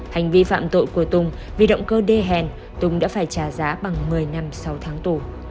hành vi phạm tội của tùng vì động cơ đê hèn tùng đã phải trả giá bằng một mươi năm sáu tháng tù